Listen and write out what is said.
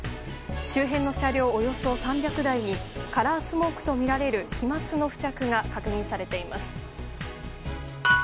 周辺の車両およそ３００台にカラースモークとみられる飛沫の付着が確認されています。